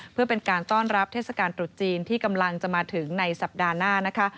เพื่อเป็นการต้อนรับเทศกาลตรุษจีนที่กำลังจะมาถึงในสัปดาห์หน้านะคะ